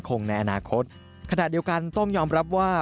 ขนาดเดียวกันต้องยอมรับว่า